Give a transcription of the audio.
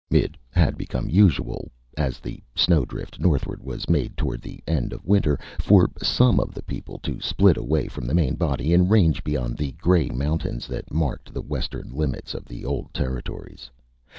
It had become usual, as the slow drift northward was made toward the end of winter, for some of the people to split away from the main body and range beyond the gray mountains that marked the western limits of the old territories.